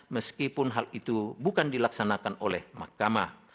meskipun hal itu bukan dilaksanakan oleh mahkamah